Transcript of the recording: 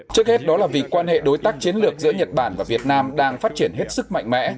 trước hết đó là vì quan hệ đối tác chiến lược giữa nhật bản và việt nam đang phát triển hết sức mạnh mẽ